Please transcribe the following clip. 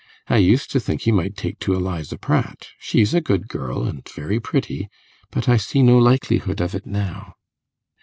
I used to think he might take to Eliza Pratt; she's a good girl, and very pretty; but I see no likelihood of it now.